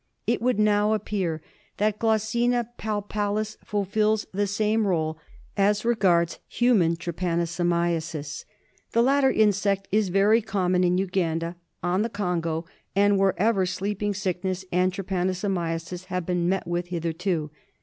It would now appear that Glossina paipalis fulfils the same role as regards human trypano somiasis. The latter insect is very common in Uganda, on the Congo, and wherever Sleeping Sickness and try panosomiasis have been met with hitherto.